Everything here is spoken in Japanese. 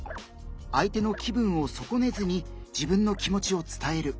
相手の気分を損ねずに自分の気持ちを伝える。